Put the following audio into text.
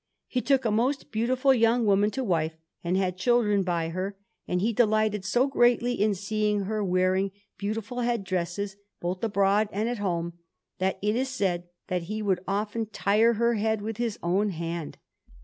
He took a most beautiful young woman to wife, and had children by her; and he delighted so greatly in seeing her wearing beautiful head dresses, both abroad and at home, that it is said that he would often tire her head with his own hand.